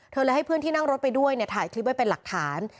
เลยให้เพื่อนที่นั่งรถไปด้วยเนี่ยถ่ายคลิปไว้เป็นหลักฐาน